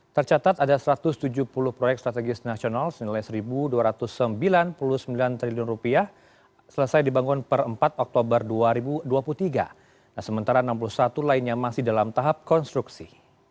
tercatat ada satu ratus tujuh puluh proyek strategis nasional senilai rp satu dua ratus sembilan puluh sembilan triliun selesai dibangun per empat oktober dua ribu dua puluh tiga sementara enam puluh satu lainnya masih dalam tahap konstruksi